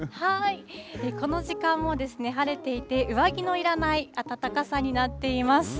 この時間も晴れていて、上着のいらない暖かさになっています。